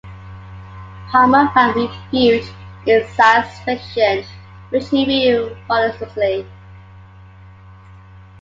Palmer found refuge in science fiction, which he read voraciously.